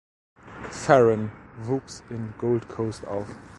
Farren wuchs in Gold Coast auf.